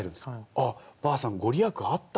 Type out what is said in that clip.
「ああばあさん御利益あったな。